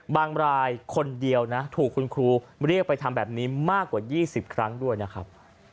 รายคนเดียวนะถูกคุณครูเรียกไปทำแบบนี้มากกว่า๒๐ครั้งด้วยนะครับ